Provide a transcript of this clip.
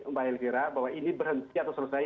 mbak elvira bahwa ini berhenti atau selesai